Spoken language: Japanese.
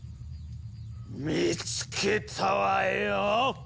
見つけたわよ！